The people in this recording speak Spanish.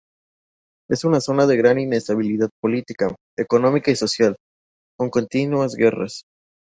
Es una zona de gran inestabilidad política, económica y social, con continuas guerras.